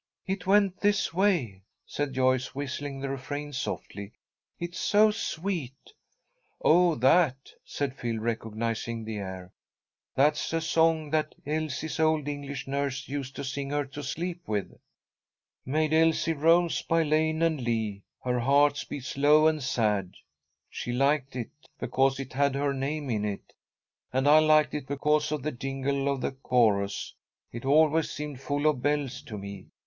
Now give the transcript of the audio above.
"It went this way," said Joyce, whistling the refrain, softly. "It's so sweet." "Oh, that," said Phil, recognizing the air. "That's a song that Elsie's old English nurse used to sing her to sleep with. "'Maid Elsie roams by lane and lea, Her heart beats low and sad.' She liked it because it had her name in it, and I liked it because of the jingle of the chorus. It always seemed full of bells to me."